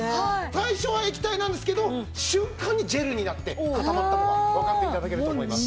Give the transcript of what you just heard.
最初は液体なんですけど瞬間にジェルになって固まったのがわかって頂けると思います。